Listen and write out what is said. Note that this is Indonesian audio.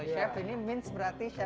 makasih sama aku ya